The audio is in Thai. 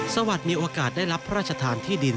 สวัสดีมีโอกาสได้รับพระราชทานที่ดิน